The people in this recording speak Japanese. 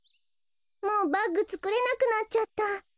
もうバッグつくれなくなっちゃった。